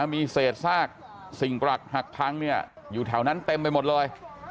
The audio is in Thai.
มีเศษซากสิ่งปรักหักพังอยู่แถวนั้นเต็มไปหมดเลย